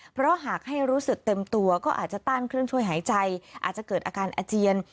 เพราะหากให้รู้สึกเต็มตัวก็อาจจะต้านเครื่องช่วยหายใจอาจจะเกิดอาการอาเจียน